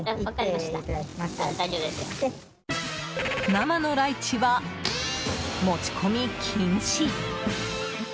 生のライチは持ち込み禁止。